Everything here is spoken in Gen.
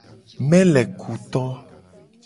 Melekuto.